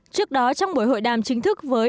trước đó trong buổi hội đàm chính thức với